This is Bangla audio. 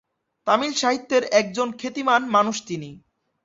তামিল সাহিত্যের একজন খ্যাতিমান মানুষ তিনি।